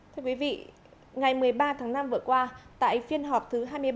thưa quý vị ngày một mươi ba tháng năm vừa qua tại phiên họp thứ hai mươi ba